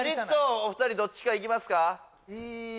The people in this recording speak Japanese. お二人どっちかいきますか？